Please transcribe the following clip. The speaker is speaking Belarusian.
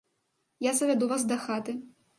Я завяду вас дахаты.